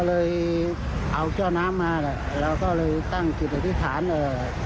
ก็เลยเอาเจ้าน้ำมาแล้วก็เลยตั้งจิตฐิษฐานเอ่อ